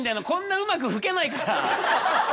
こんなうまく吹けないから。